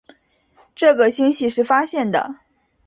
这个星系是发现的。